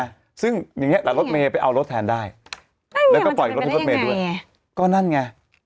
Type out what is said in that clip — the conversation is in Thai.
ก็นั่นไงซึ่งอย่างเงี้ยหลักรถเมย์ไปเอารถแทนได้แล้วก็ปล่อยรถเมย์ด้วยก็นั่นไง